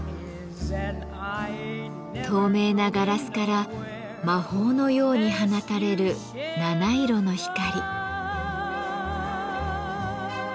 透明なガラスから魔法のように放たれる７色の光。